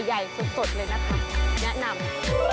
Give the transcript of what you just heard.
ใหญ่สดเลยนะคะแนะนำ